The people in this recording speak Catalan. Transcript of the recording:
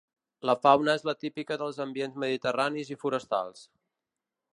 La fauna és la típica dels ambients mediterranis i forestals.